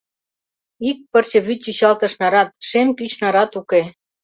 Ик пырче вӱд чӱчалтыш нарат, шем кӱч нарат уке!